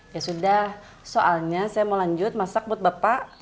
ya sudah soalnya saya mau lanjut masak buat bapak